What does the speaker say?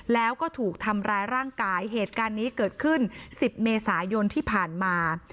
แล้วก็ถูกทำร้ายร่างกายเหตุการณ์นี้เกิดขึ้น๑๐เมษายนที่ผ่านมา